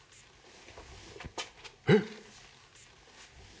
えっ！